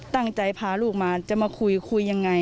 ตั้งใจพาลูกมาจะมาคุยคุยยังไง